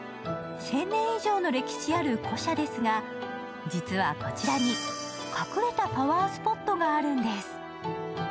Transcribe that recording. １０００年以上の歴史ある古社ですが、実はこちらに隠れたパワースポットがあるんです。